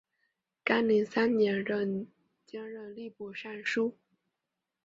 干宁三年兼任吏部尚书。